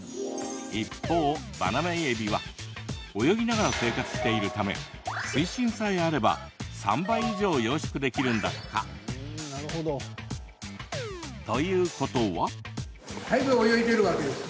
一方、バナメイエビは泳ぎながら生活しているため水深さえあれば３倍以上養殖できるんだとか。